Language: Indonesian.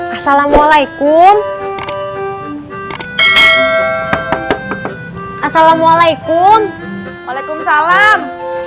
assalamualaikum assalamualaikum waalaikumsalam